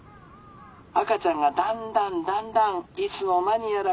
赤ちゃんがだんだんだんだんいつの間にやら